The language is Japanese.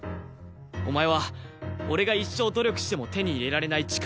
お前は俺が一生努力しても手に入れられない力を持ってる。